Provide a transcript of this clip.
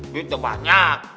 duit udah banyak